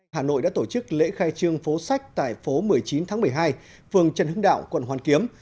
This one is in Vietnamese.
hà nội đã tổ chức lễ khai trương phố sách tại phố một mươi chín tháng một mươi hai phường trần hưng đạo quận hoàn kiếm